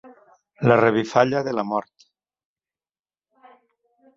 La revifalla de la mort.